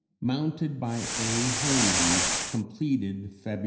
"Mounted by A. Hermann, completed Feb.